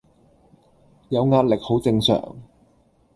有壓力好正常